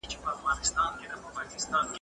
آیا افغان سوداګر بهرنیو هیوادونو ته بادام صادروي؟.